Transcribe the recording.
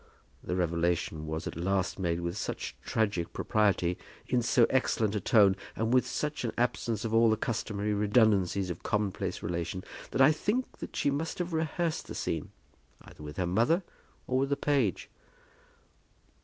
The revelation was at last made with so much tragic propriety, in so excellent a tone, and with such an absence of all the customary redundances of commonplace relation, that I think that she must have rehearsed the scene, either with her mother or with the page.